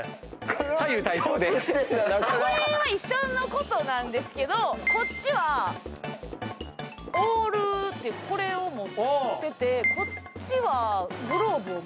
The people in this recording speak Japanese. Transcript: これは一緒のことなんですけどこっちはオールこれを持っててこっちはグローブを。